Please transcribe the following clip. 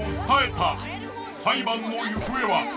裁判の行方は？